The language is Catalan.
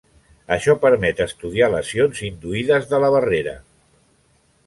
Això permet estudiar lesions induïdes de la barrera.